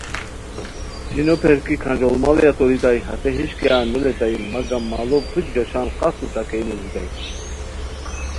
سینو پھیر کی کھانجوڑ ماڑیہ تورتائے ہسے ہِش کیاغ نو لیتائے مگم ماڑو پیڑیک جوشان قافتو ݯاکئے نیزیتائے